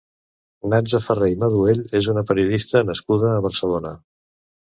Natza Farré i Maduell és una periodista nascuda a Barcelona.